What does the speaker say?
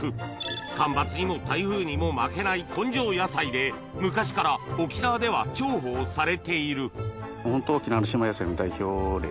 干ばつにも台風にも負けない根性野菜で昔から沖縄では重宝されているホント。